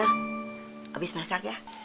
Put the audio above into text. habis masak ya